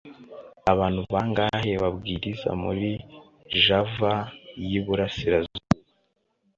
abantu bangahe babwiriza muri Java y i Burasirazuba